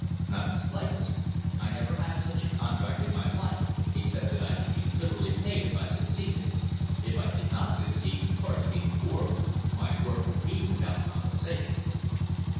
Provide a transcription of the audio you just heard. Not the slightest. I never had such a contract in my life, except that I should be liberally paid if I succeeded. If I did not succeed, the party being poor, my work would be without compensation.